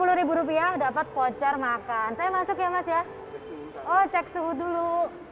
hai sepuluh rupiah dapat pocar makan saya masuk ya mas ya oh cek suhu dulu